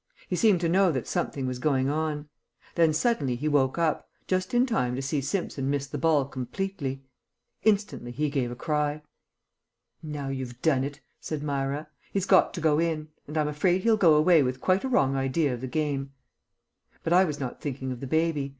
He seemed to know that something was going on. Then suddenly he woke up, just in time to see Simpson miss the ball completely. Instantly he gave a cry. "Now you've done it," said Myra. "He's got to go in. And I'm afraid he'll go away with quite a wrong idea of the game." But I was not thinking of the baby.